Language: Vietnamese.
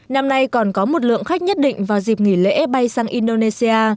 năm nay còn có một lượng khách nhất định vào dịp nghỉ lễ bay sang indonesia